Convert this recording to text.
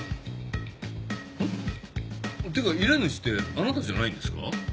んっ？っていうか依頼主ってあなたじゃないんですか？